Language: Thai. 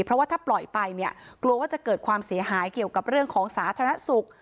เพราะว่าถ้าปล่อยไปเนี่ยกลัวว่าจะเกิดความเสียหายเกี่ยวกับเรื่องของสาธารณสุข